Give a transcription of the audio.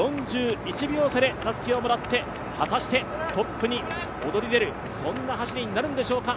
４１秒差でたすきをもらって果たしてトップに躍り出るそんな走りになるんでしょうか。